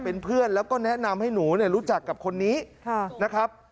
เป็นเพื่อนแล้วก็แนะนำให้หนูรู้จักกับคนนี้นะครับ